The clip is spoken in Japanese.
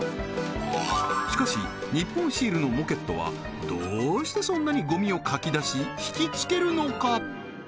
しかし日本シールのモケットはどうしてそんなにゴミをかき出し引きつけるのか？